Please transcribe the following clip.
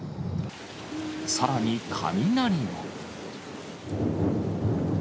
さらに雷も。